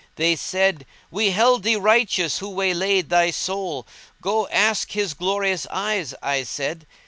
They said, "We held thee righteous, who waylaid * Thy soul?" "Go ask his glorious eyes," I said.